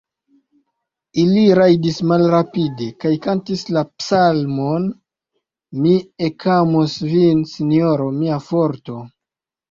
Ili rajdis malrapide kaj kantis la psalmon: "Mi ekamos Vin, Sinjoro, mia Forto!"